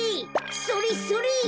それそれ！